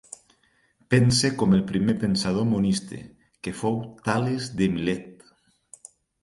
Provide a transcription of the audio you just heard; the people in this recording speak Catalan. Pense com el primer pensador monista, que fou Tales de Milet.